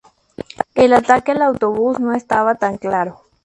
El ataque al autobús no estaba tan claro.